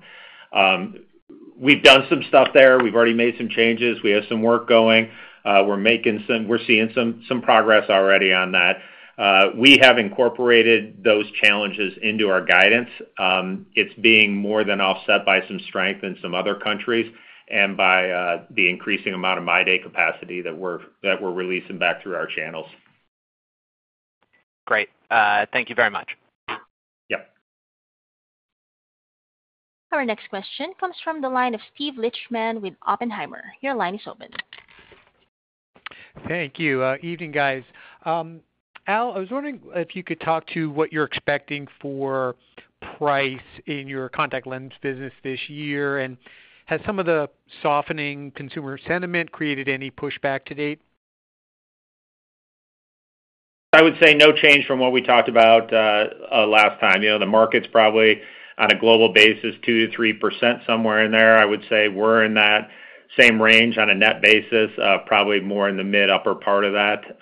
We've done some stuff there. We've already made some changes. We have some work going. We're seeing some progress already on that. We have incorporated those challenges into our guidance. It's being more than offset by some strength in some other countries and by the increasing amount of MyDay capacity that we're releasing back through our channels. Great. Thank you very much. Yep. Our next question comes from the line of Steven Lichtman with Oppenheimer. Your line is open. Thank you. Evening, guys. Al, I was wondering if you could talk to what you're expecting for price in your contact lens business this year, and has some of the softening consumer sentiment created any pushback to date? I would say no change from what we talked about last time. The market's probably on a global basis, 2%-3% somewhere in there. I would say we're in that same range on a net basis, probably more in the mid-upper part of that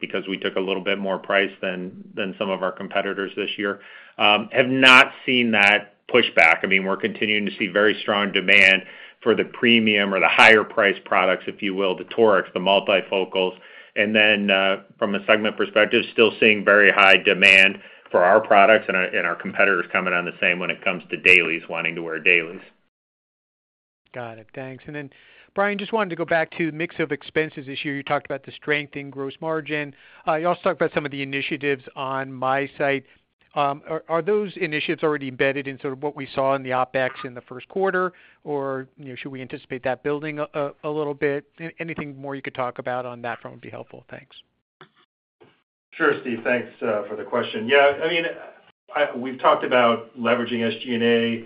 because we took a little bit more price than some of our competitors this year. Have not seen that pushback. I mean, we're continuing to see very strong demand for the premium or the higher-priced products, if you will, the torics, the multifocals. And then from a segment perspective, still seeing very high demand for our products and our competitors coming on the same when it comes to dailies, wanting to wear dailies. Got it. Thanks. And then, Brian, just wanted to go back to the mix of expenses this year. You talked about the strength in gross margin. You also talked about some of the initiatives on MiSite. Are those initiatives already embedded in sort of what we saw in the OpEx in the first quarter, or should we anticipate that building a little bit? Anything more you could talk about on that front would be helpful. Thanks. Sure, Steve. Thanks for the question. Yeah. I mean, we've talked about leveraging SG&A.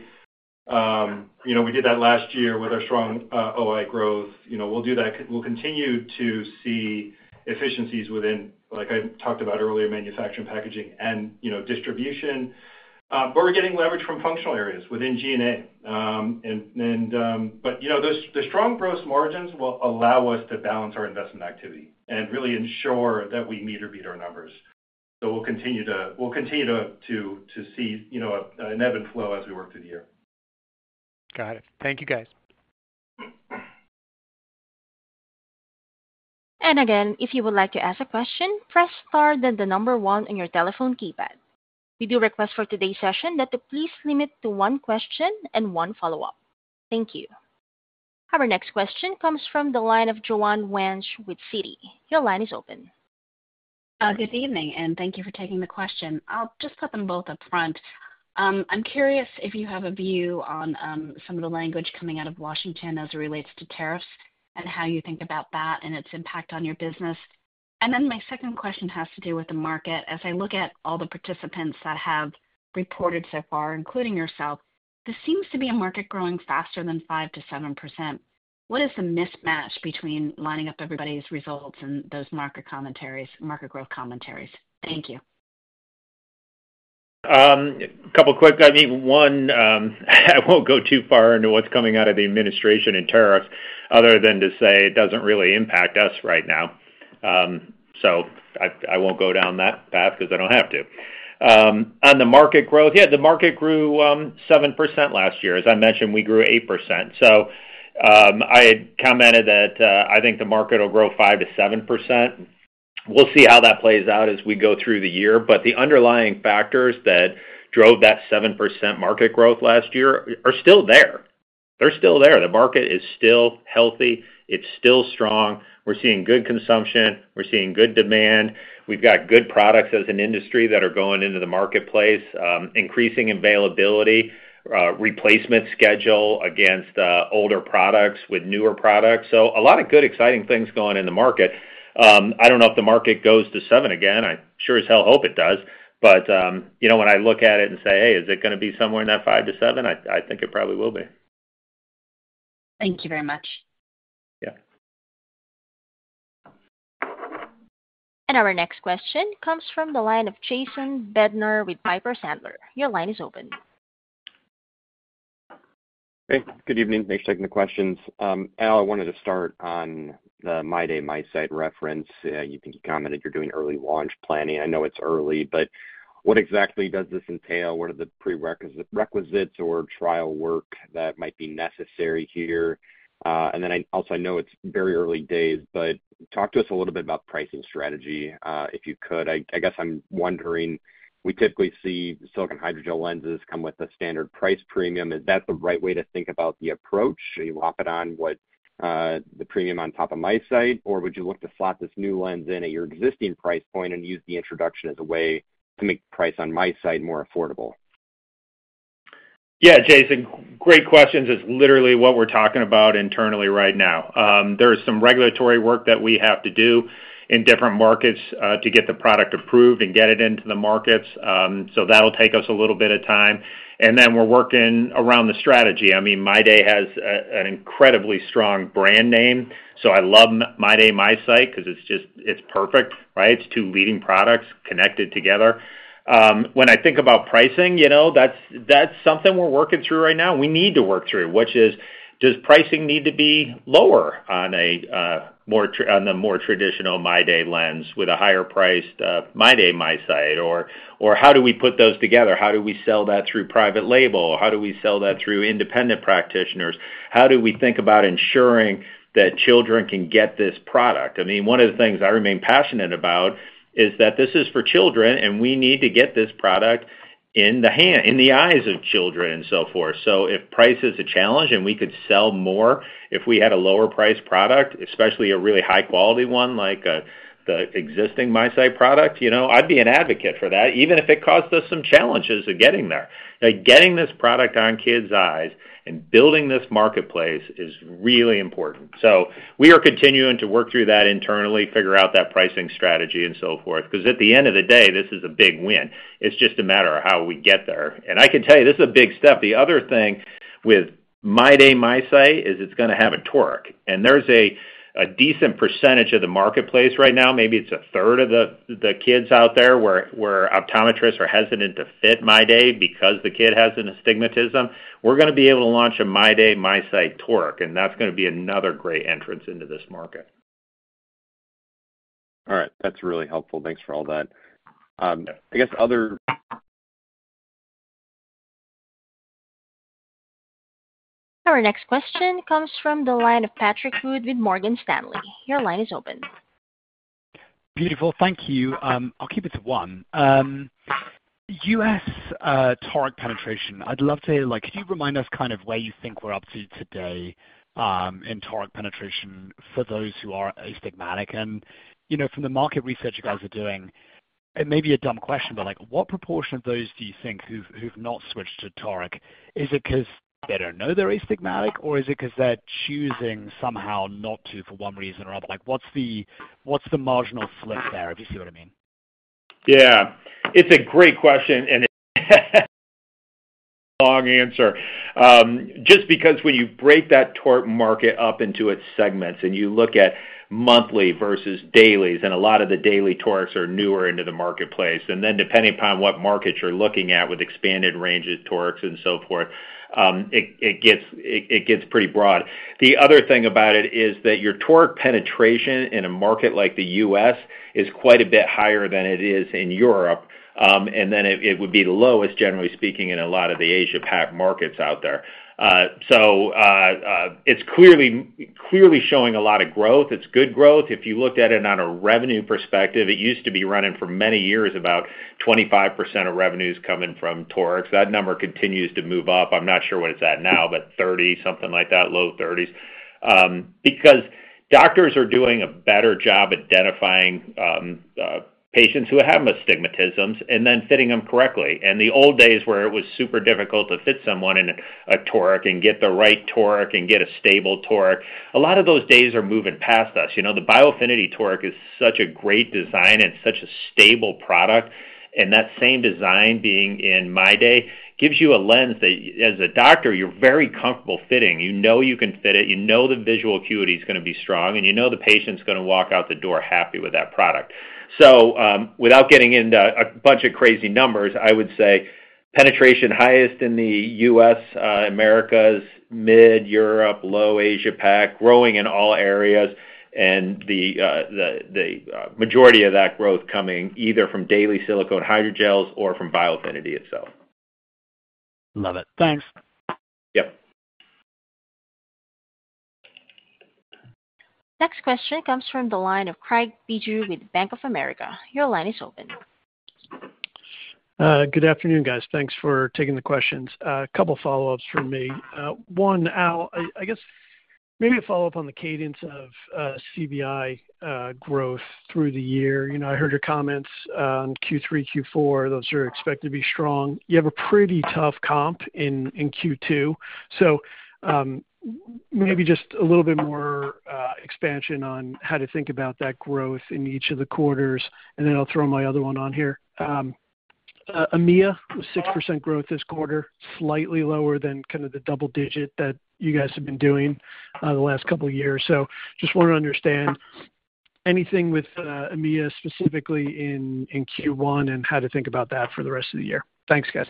We did that last year with our strong OI growth. We'll continue to see efficiencies within, like I talked about earlier, manufacturing, packaging, and distribution. But we're getting leverage from functional areas within G&A. But the strong gross margins will allow us to balance our investment activity and really ensure that we meet or beat our numbers. So we'll continue to see an ebb and flow as we work through the year. Got it. Thank you, guys. And again, if you would like to ask a question, press star then the number one on your telephone keypad. We do request for today's session that you please limit to one question and one follow-up. Thank you. Our next question comes from the line of Joanne Wuensch with Citi. Your line is open. Good evening, and thank you for taking the question. I'll just put them both up front. I'm curious if you have a view on some of the language coming out of Washington as it relates to tariffs and how you think about that and its impact on your business. And then my second question has to do with the market. As I look at all the participants that have reported so far, including yourself, this seems to be a market growing faster than 5%-7%. What is the mismatch between lining up everybody's results and those market commentaries, market growth commentaries? Thank you. A couple of quick. I mean, one, I won't go too far into what's coming out of the administration and tariffs other than to say it doesn't really impact us right now. So I won't go down that path because I don't have to. On the market growth, yeah, the market grew 7% last year. As I mentioned, we grew 8%. So I had commented that I think the market will grow 5%-7%. We'll see how that plays out as we go through the year. But the underlying factors that drove that 7% market growth last year are still there. They're still there. The market is still healthy. It's still strong. We're seeing good consumption. We're seeing good demand. We've got good products as an industry that are going into the marketplace, increasing availability, replacement schedule against older products with newer products. So a lot of good, exciting things going in the market. I don't know if the market goes to 7 again. I sure as hell hope it does. But when I look at it and say, "Hey, is it going to be somewhere in that 5%-7%?" I think it probably will be. Thank you very much. Yeah. And our next question comes from the line of Jason Bednar with Piper Sandler. Your line is open. Hey. Good evening. Thanks for taking the questions. Al, I wanted to start on the MyDay MiSite reference. I think you commented you're doing early launch planning. I know it's early, but what exactly does this entail? What are the prerequisites or trial work that might be necessary here? And then also, I know it's very early days, but talk to us a little bit about pricing strategy if you could. I guess I'm wondering, we typically see silicone hydrogel lenses come with a standard price premium. Is that the right way to think about the approach? Are you locking on the premium on top of MiSite, or would you look to slot this new lens in at your existing price point and use the introduction as a way to make the price on MiSite more affordable? Yeah, Jason, great questions. It's literally what we're talking about internally right now. There is some regulatory work that we have to do in different markets to get the product approved and get it into the markets. So that'll take us a little bit of time. And then we're working around the strategy. I mean, MyDay has an incredibly strong brand name. So I love MyDay MiSite because it's perfect, right? It's two leading products connected together. When I think about pricing, that's something we're working through right now. We need to work through, which is, does pricing need to be lower on the more traditional MyDay lens with a higher-priced MyDay MiSite? Or how do we put those together? How do we sell that through private label? How do we sell that through independent practitioners? How do we think about ensuring that children can get this product? I mean, one of the things I remain passionate about is that this is for children, and we need to get this product in the eyes of children and so forth. So if price is a challenge and we could sell more if we had a lower-priced product, especially a really high-quality one like the existing MiSite product, I'd be an advocate for that, even if it caused us some challenges of getting there. Getting this product on kids' eyes and building this marketplace is really important. So we are continuing to work through that internally, figure out that pricing strategy and so forth. Because at the end of the day, this is a big win. It's just a matter of how we get there. And I can tell you this is a big step. The other thing with MyDay MiSite is it's going to have a toric. And there's a decent percentage of the marketplace right now, maybe it's a third of the kids out there where optometrists are hesitant to fit MyDay because the kid has an astigmatism. We're going to be able to launch a MyDay MiSite toric, and that's going to be another great entrance into this market. All right. That's really helpful. Thanks for all that. I guess, our next question comes from the line of Patrick Wood with Morgan Stanley. Your line is open. Beautiful. Thank you. I'll keep it to one. U.S. toric penetration, I'd love to hear like, can you remind us kind of where you think we're up to today in toric penetration for those who are astigmatic? And from the market research you guys are doing, it may be a dumb question, but what proportion of those do you think who've not switched to toric? Is it because they don't know they're astigmatic, or is it because they're choosing somehow not to for one reason or other? What's the marginal slip there, if you see what I mean? Yeah. It's a great question and a long answer. Just because when you break that toric market up into its segments and you look at monthly versus dailies, and a lot of the daily torics are newer into the marketplace. And then depending upon what markets you're looking at with expanded ranges, torics, and so forth, it gets pretty broad. The other thing about it is that your toric penetration in a market like the U.S. is quite a bit higher than it is in Europe. And then it would be the lowest, generally speaking, in a lot of the Asia-Pac markets out there. So it's clearly showing a lot of growth. It's good growth. If you looked at it on a revenue perspective, it used to be running for many years about 25% of revenues coming from torics. That number continues to move up. I'm not sure what it's at now, but 30, something like that, low 30s. Because doctors are doing a better job identifying patients who have astigmatisms and then fitting them correctly. The old days where it was super difficult to fit someone in a toric and get the right toric and get a stable toric, a lot of those days are moving past us. The Biofinity toric is such a great design and such a stable product. That same design being in MyDay gives you a lens that, as a doctor, you're very comfortable fitting. You know you can fit it. You know the visual acuity is going to be strong, and you know the patient's going to walk out the door happy with that product. Without getting into a bunch of crazy numbers, I would say penetration highest in the U.S., Americas, mid, Europe, low Asia-Pac, growing in all areas, and the majority of that growth coming either from daily silicone hydrogels or from Biofinity itself. Love it. Thanks. Yep. Next question comes from the line of Craig Bijou with Bank of America. Your line is open. Good afternoon, guys. Thanks for taking the questions. A couple of follow-ups from me. One, Al, I guess maybe a follow-up on the cadence of CSI growth through the year. I heard your comments on Q3, Q4. Those are expected to be strong. You have a pretty tough comp in Q2. So maybe just a little bit more expansion on how to think about that growth in each of the quarters. And then I'll throw my other one on here. EMEA was 6% growth this quarter, slightly lower than kind of the double digit that you guys have been doing the last couple of years. So just want to understand anything with EMEA specifically in Q1 and how to think about that for the rest of the year. Thanks, guys.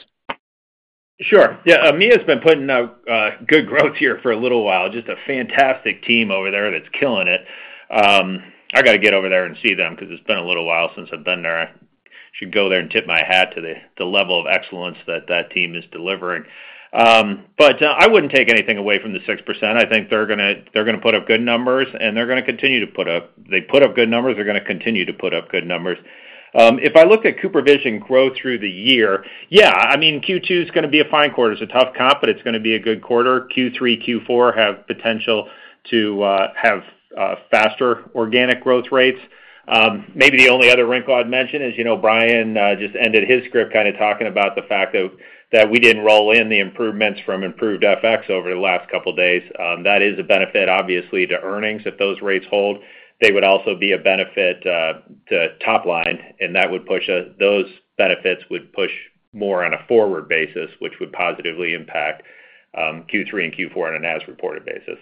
Sure. Yeah. EMEA has been putting out good growth here for a little while. Just a fantastic team over there that's killing it. I got to get over there and see them because it's been a little while since I've been there. I should go there and tip my hat to the level of excellence that that team is delivering. But I wouldn't take anything away from the 6%. I think they're going to put up good numbers, and they're going to continue to put up. They put up good numbers. They're going to continue to put up good numbers. If I look at CooperVision growth through the year, yeah. I mean, Q2 is going to be a fine quarter. It's a tough comp, but it's going to be a good quarter. Q3, Q4 have potential to have faster organic growth rates. Maybe the only other wrinkle I'd mention is Brian just ended his script kind of talking about the fact that we didn't roll in the improvements from improved FX over the last couple of days. That is a benefit, obviously, to earnings. If those rates hold, they would also be a benefit to top line. And that would push those benefits more on a forward basis, which would positively impact Q3 and Q4 on an as-reported basis.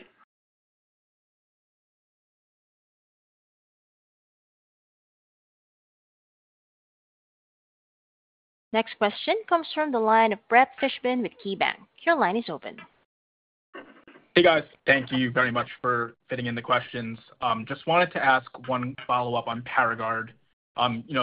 Next question comes from the line of Brett Fishbin with KeyBanc. Your line is open. Hey, guys. Thank you very much for fitting in the questions. Just wanted to ask one follow-up on Paragard.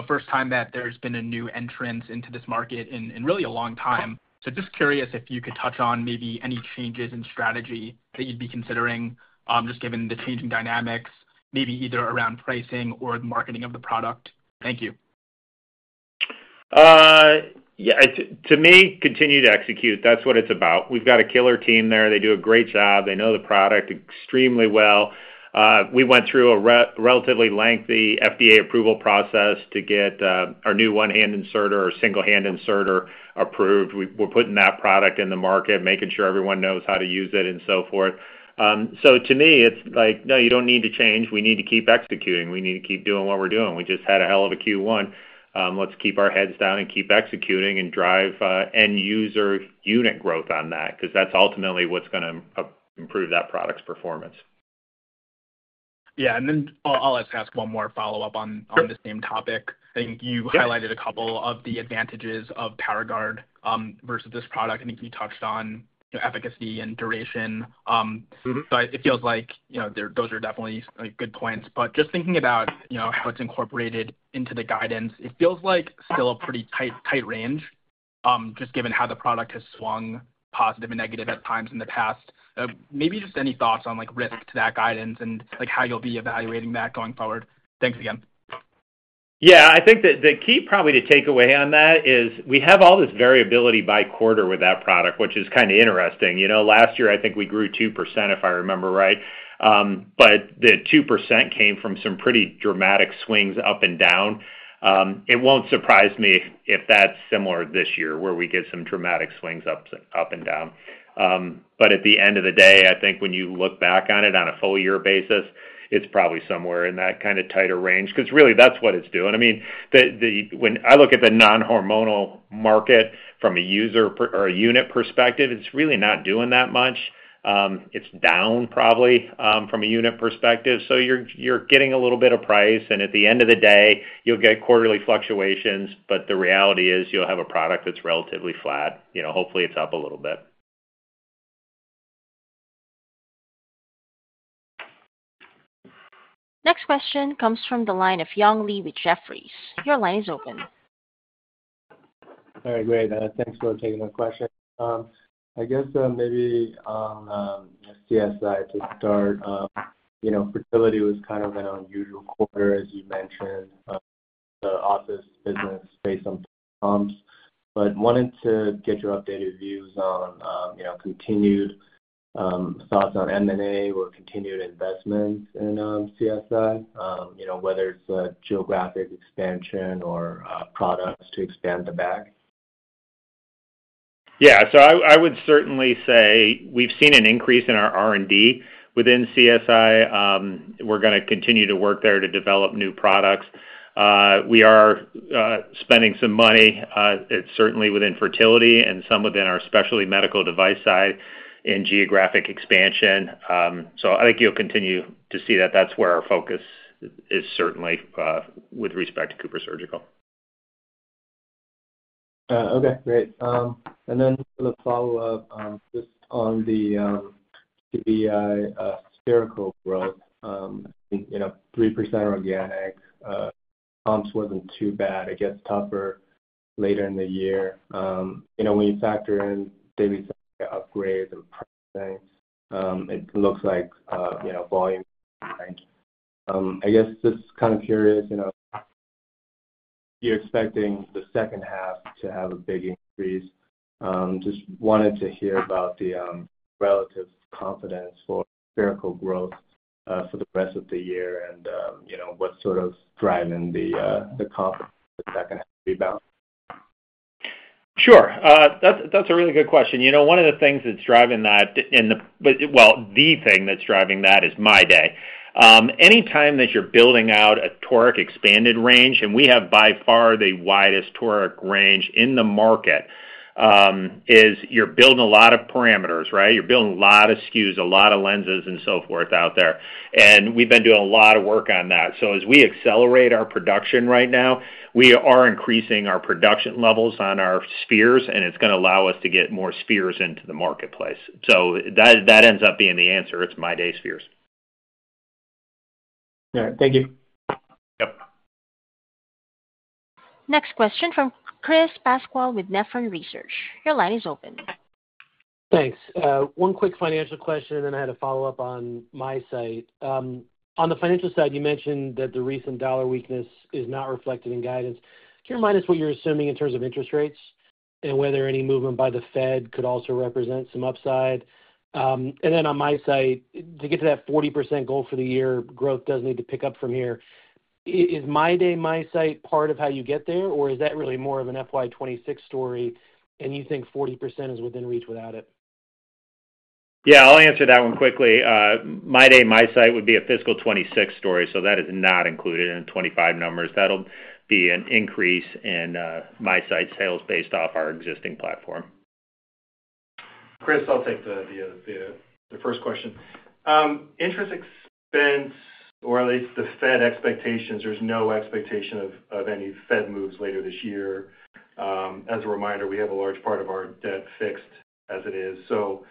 First time that there's been a new entrant into this market in really a long time. So just curious if you could touch on maybe any changes in strategy that you'd be considering just given the changing dynamics, maybe either around pricing or the marketing of the product? Thank you. Yeah. To me, continue to execute. That's what it's about. We've got a killer team there. They do a great job. They know the product extremely well. We went through a relatively lengthy FDA approval process to get our new one-hand inserter or single-hand inserter approved. We're putting that product in the market, making sure everyone knows how to use it and so forth. So to me, it's like, "No, you don't need to change. We need to keep executing. We need to keep doing what we're doing." We just had a hell of a Q1. Let's keep our heads down and keep executing and drive end-user unit growth on that because that's ultimately what's going to improve that product's performance." Yeah. And then I'll just ask one more follow-up on the same topic. I think you highlighted a couple of the advantages of Paragard versus this product. I think you touched on efficacy and duration. So it feels like those are definitely good points. But just thinking about how it's incorporated into the guidance, it feels like still a pretty tight range, just given how the product has swung positive and negative at times in the past. Maybe just any thoughts on risk to that guidance and how you'll be evaluating that going forward. Thanks again. Yeah. I think that the key probably to take away on that is we have all this variability by quarter with that product, which is kind of interesting. Last year, I think we grew 2%, if I remember right. But the 2% came from some pretty dramatic swings up and down. It won't surprise me if that's similar this year where we get some dramatic swings up and down. But at the end of the day, I think when you look back on it on a full-year basis, it's probably somewhere in that kind of tighter range. Because really, that's what it's doing. I mean, when I look at the non-hormonal market from a user or a unit perspective, it's really not doing that much. It's down probably from a unit perspective. So you're getting a little bit of price. And at the end of the day, you'll get quarterly fluctuations. But the reality is you'll have a product that's relatively flat. Hopefully, it's up a little bit. Next question comes from the line of Young Li with Jefferies. Your line is open. All right. Great. Thanks for taking the question. I guess maybe on the CSI to start. Fertility was kind of an unusual quarter, as you mentioned, the office business based on comps. But wanted to get your updated views on continued thoughts on M&A or continued investment in CSI, whether it's geographic expansion or products to expand the back. Yeah. So I would certainly say we've seen an increase in our R&D within CSI. We're going to continue to work there to develop new products. We are spending some money, certainly within fertility and some within our specialty medical device side in geographic expansion. So I think you'll continue to see that that's where our focus is certainly with respect to CooperSurgical. Okay. Great. Then the follow-up just on the CBI spherical growth, 3% organic. Comps wasn't too bad. It gets tougher later in the year. When you factor in daily upgrades and pricing, it looks like volume is fine. I guess just kind of curious, you're expecting the second half to have a big increase. Just wanted to hear about the relative confidence for spherical growth for the rest of the year and what's sort of driving the comps that can rebound. Sure. That's a really good question. One of the things that's driving that, well, the thing that's driving that is MyDay. Anytime that you're building out a toric expanded range, and we have by far the widest toric range in the market, is you're building a lot of parameters, right? You're building a lot of SKUs, a lot of lenses, and so forth out there. And we've been doing a lot of work on that. So as we accelerate our production right now, we are increasing our production levels on our spheres, and it's going to allow us to get more spheres into the marketplace. So that ends up being the answer. It's MyDay spheres. All right. Thank you. Yep. Next question from Chris Pasquale with Nephron Research. Your line is open. Thanks. One quick financial question, and then I had a follow-up on MiSite. On the financial side, you mentioned that the recent dollar weakness is not reflected in guidance. Can you remind us what you're assuming in terms of interest rates and whether any movement by the Fed could also represent some upside? And then on MiSite, to get to that 40% goal for the year, growth does need to pick up from here. Is MyDay, MiSite part of how you get there, or is that really more of an FY 2026 story, and you think 40% is within reach without it? Yeah. I'll answer that one quickly. MyDay, MiSite would be a fiscal 2026 story, so that is not included in the 2025 numbers. That'll be an increase in MiSite sales based off our existing platform. Chris, I'll take the first question. Interest expense, or at least the Fed expectations, there's no expectation of any Fed moves later this year. As a reminder, we have a large part of our debt fixed as it is. So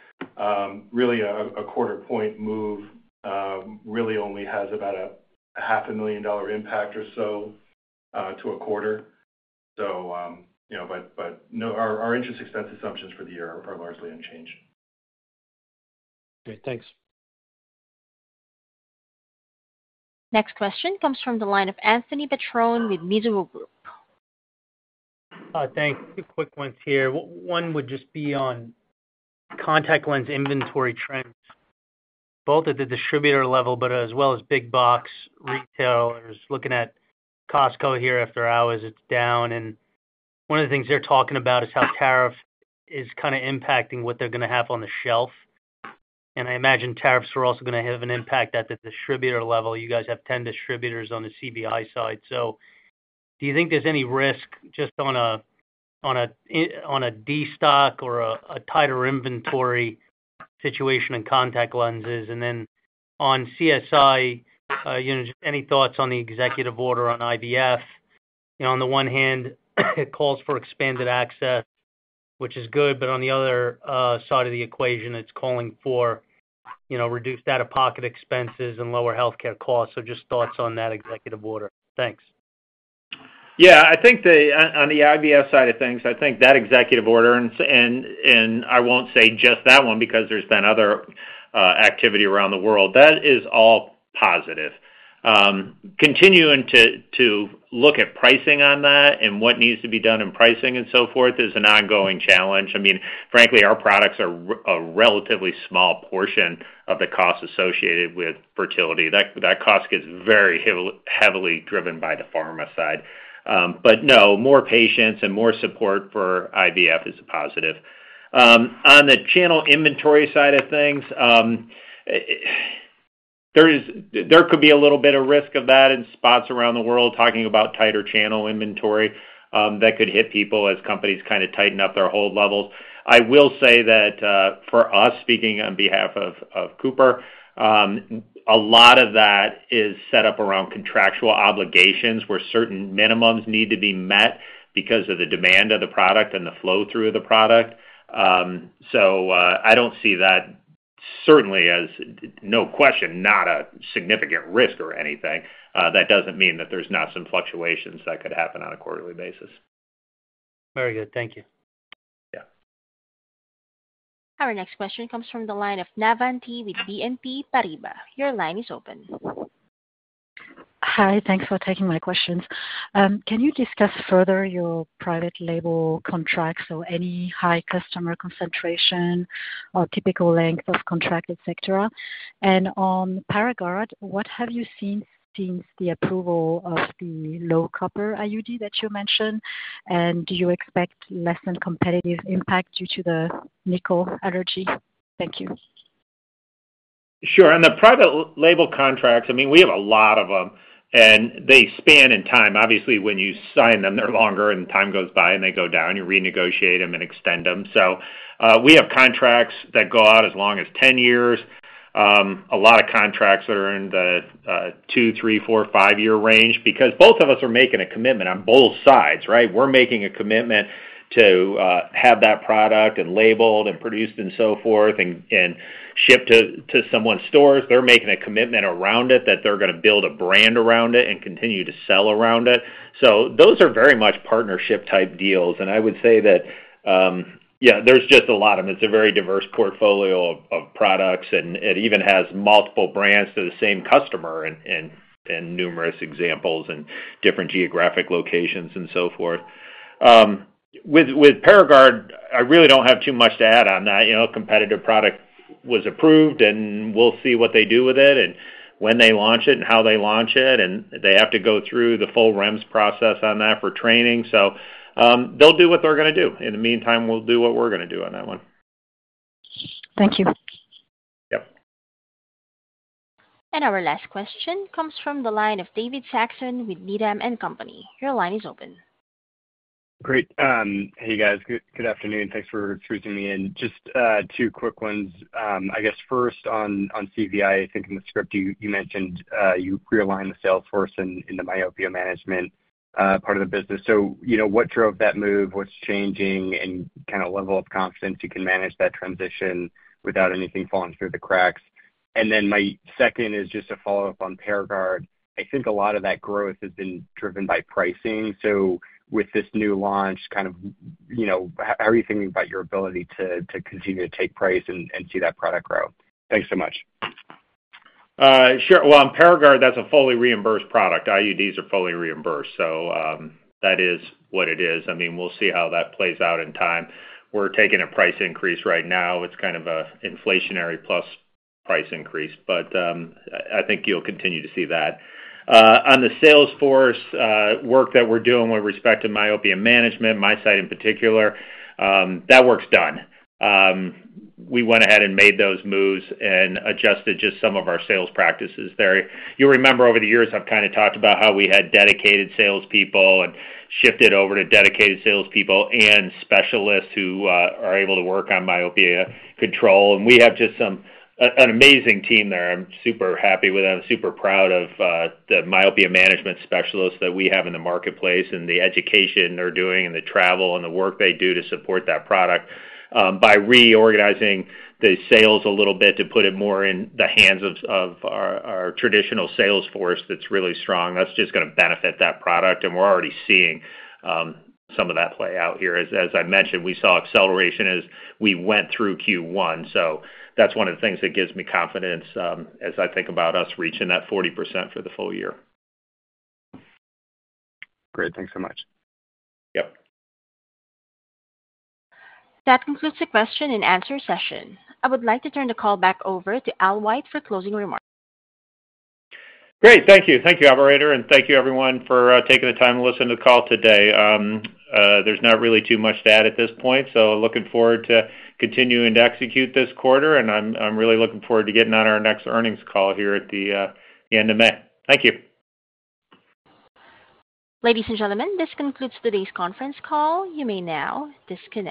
really, a quarter-point move really only has about a $500,000 impact or so to a quarter. But our interest expense assumptions for the year are largely unchanged. Great. Thanks. Next question comes from the line of Anthony Petrone with Mizuho Group. Thanks. Two quick ones here. One would just be on contact lens inventory trends, both at the distributor level, but as well as big box retailers. Looking at Costco here after hours, it's down. And one of the things they're talking about is how tariff is kind of impacting what they're going to have on the shelf. And I imagine tariffs are also going to have an impact at the distributor level. You guys have 10 distributors on the CBI side. So do you think there's any risk just on a D stock or a tighter inventory situation in contact lenses? And then on CSI, just any thoughts on the executive order on IVF? On the one hand, it calls for expanded access, which is good. But on the other side of the equation, it's calling for reduced out-of-pocket expenses and lower healthcare costs. So just thoughts on that executive order. Thanks. Yeah. On the IVF side of things, I think that executive order, and I won't say just that one because there's been other activity around the world, that is all positive. Continuing to look at pricing on that and what needs to be done in pricing and so forth is an ongoing challenge. I mean, frankly, our products are a relatively small portion of the cost associated with fertility. That cost gets very heavily driven by the pharma side. But no, more patients and more support for IVF is a positive. On the channel inventory side of things, there could be a little bit of risk of that in spots around the world talking about tighter channel inventory that could hit people as companies kind of tighten up their hold levels. I will say that for us, speaking on behalf of Cooper, a lot of that is set up around contractual obligations where certain minimums need to be met because of the demand of the product and the flow-through of the product. So I don't see that certainly as, no question, not a significant risk or anything. That doesn't mean that there's not some fluctuations that could happen on a quarterly basis. Very good. Thank you. Yeah. Our next question comes from the line of Navann Ty with BNP Paribas. Your line is open. Hi. Thanks for taking my questions. Can you discuss further your private label contracts or any high customer concentration or typical length of contract, etc.? And on Paragard, what have you seen since the approval of the low copper IUD that you mentioned? And do you expect less than competitive impact due to the nickel allergy? Thank you. Sure. On the private label contracts, I mean, we have a lot of them, and they span in time. Obviously, when you sign them, they're longer, and time goes by, and they go down. You renegotiate them and extend them, so we have contracts that go out as long as 10 years, a lot of contracts that are in the two, three, four, five-year range because both of us are making a commitment on both sides, right? We're making a commitment to have that product and labeled and produced and so forth and shipped to someone's stores. They're making a commitment around it that they're going to build a brand around it and continue to sell around it, so those are very much partnership-type deals, and I would say that, yeah, there's just a lot of them. It's a very diverse portfolio of products. And it even has multiple brands to the same customer in numerous examples and different geographic locations and so forth. With Paragard, I really don't have too much to add on that. A competitive product was approved, and we'll see what they do with it and when they launch it and how they launch it. And they have to go through the full REMS process on that for training. So they'll do what they're going to do. In the meantime, we'll do what we're going to do on that one. Thank you. Yep. And our last question comes from the line of David Saxon with Needham & Company. Your line is open. Great. Hey, guys. Good afternoon. Thanks for squeezing me in. Just two quick ones. I guess first, on CBI, I think in the script, you mentioned you realigned the Salesforce into myopia management part of the business. So what drove that move? What's changing in kind of level of confidence you can manage that transition without anything falling through the cracks? And then my second is just a follow-up on Paragard. I think a lot of that growth has been driven by pricing. So with this new launch, kind of how are you thinking about your ability to continue to take price and see that product grow? Thanks so much. Sure. Well, on Paragard, that's a fully reimbursed product. IUDs are fully reimbursed. So that is what it is. I mean, we'll see how that plays out in time. We're taking a price increase right now. It's kind of an inflationary plus price increase. But I think you'll continue to see that. On the sales force work that we're doing with respect to myopia management, MiSite in particular, that work's done. We went ahead and made those moves and adjusted just some of our sales practices there. You'll remember over the years, I've kind of talked about how we had dedicated salespeople and shifted over to dedicated salespeople and specialists who are able to work on myopia control. We have just an amazing team there. I'm super happy with them. Super proud of the myopia management specialists that we have in the marketplace and the education they're doing and the travel and the work they do to support that product. By reorganizing the sales a little bit to put it more in the hands of our traditional sales force that's really strong, that's just going to benefit that product. We're already seeing some of that play out here. As I mentioned, we saw acceleration as we went through Q1. So that's one of the things that gives me confidence as I think about us reaching that 40% for the full year. Great. Thanks so much. Yep. That concludes the question-and-answer session. I would like to turn the call back over to Al White for closing remarks. Great. Thank you. Thank you, Alvarado. And thank you, everyone, for taking the time to listen to the call today. There's not really too much to add at this point. So looking forward to continuing to execute this quarter. And I'm really looking forward to getting on our next earnings call here at the end of May. Thank you. Ladies and gentlemen, this concludes today's conference call. You may now disconnect.